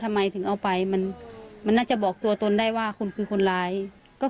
ทำไมถึงเอาไปมันมันน่าจะบอกตัวตนได้ว่าคุณคือคนร้ายก็